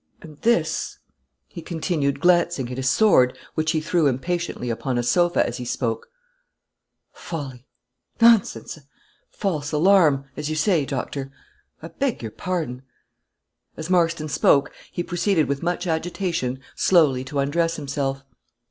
And this," he continued, glancing at his sword, which he threw impatiently upon a sofa as he spoke. "Folly nonsense! A false alarm, as you say, doctor. I beg your pardon." As Marston spoke, he proceeded with much agitation slowly to undress himself.